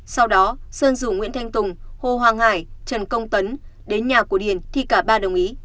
sau đó sơn rủ nguyễn thanh tùng hồ hoàng hải trần công tấn đến nhà của điền thì cả ba đồng ý